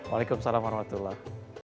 waalaikumsalam warahmatullahi wabarakatuh